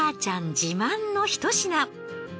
自慢の一品。